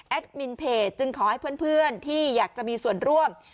มินเพจจึงขอให้เพื่อนที่อยากจะมีส่วนร่วม